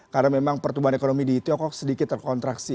karena memang pertumbuhan ekonomi di tiongkok sedikit terkontraksi